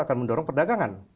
akan mendorong perdagangan